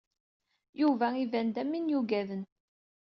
Yuba iban-d am win yuggaden.